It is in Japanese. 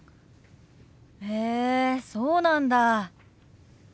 へえそうなんだ。